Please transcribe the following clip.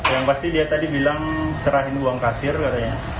yang pasti dia tadi bilang serahin uang kasir katanya